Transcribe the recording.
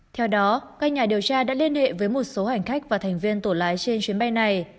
theo đó các nhà điều tra đã liên hệ với một số hành khách và thành viên tổ lái trên chuyến bay này